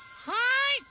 はい！